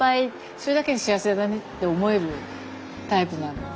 それだけで幸せだねって思えるタイプなので。